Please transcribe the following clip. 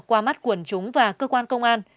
qua mắt quần chúng và cơ quan công an